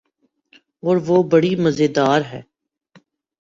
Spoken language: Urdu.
اوروہ بڑی مزیدار ہے۔